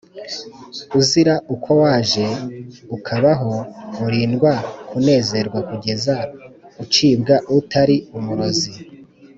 uzira uko waje Ukabaho urindwa kunezerwa Kugeza ucibwa utari umurozi